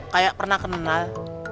kayak pernah kenal